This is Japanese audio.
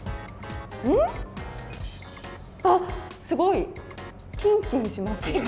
すごい！キンキンします。